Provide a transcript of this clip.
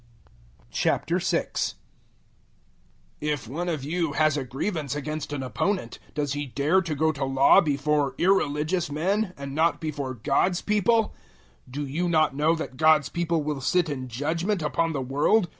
006:001 If one of you has a grievance against an opponent, does he dare to go to law before irreligious men and not before God's people? 006:002 Do you not know that God's people will sit in judgement upon the world?